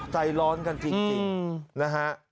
ใจร้อนกันจริงนะฮะ